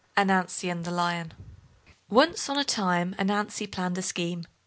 ANANZI AND THE LION Once on a time Ananzi planned a scheme.